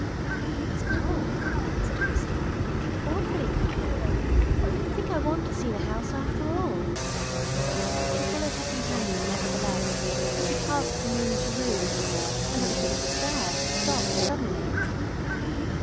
'' "It's cold," said Christine, " awfully cold. I don't think I want to see the house, after all." She followed her companion, nevertheless, as he passed 192 THE WIFE OF from room to room, and at the foot of the stairs stopped suddenly.